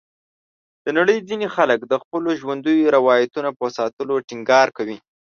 د نړۍ ځینې خلک د خپلو ژوندیو روایتونو په ساتلو ټینګار کوي.